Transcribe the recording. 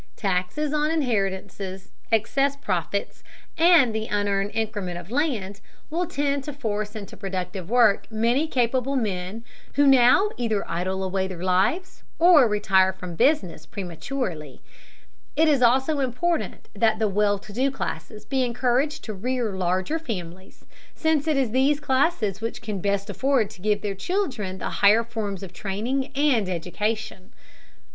Taxes on inheritances, excess profits, and the unearned increment of land will tend to force into productive work many capable men who now either idle away their lives, or retire from business prematurely. It is also important that the well to do classes be encouraged to rear larger families, since it is these classes which can best afford to give their children the higher forms of training and education.